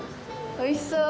おいしそう！